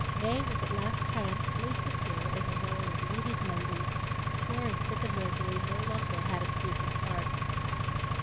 Mae was at last triumphantly secure in the rôle of leading lady. Poor insipid Rosalie no longer had a speaking part.